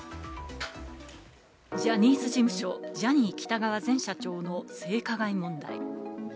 ジャニーズ事務所、ジャニー喜多川前社長の性加害問題。